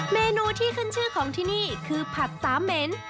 เมนูที่ขึ้นชื่อของที่นี่คือผักสามเหม็น